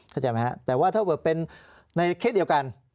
เข้าใจไหมครับแต่ว่าถ้าเกิดเป็นในเคสเดียวกัน